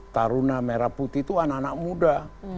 taruna merah putih itu anak anak muda